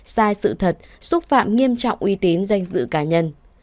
sai sự thật xúc phạm nghiêm trọng uy tín danh dự cá nhân